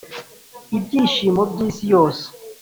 ibyishimo by'isi yose!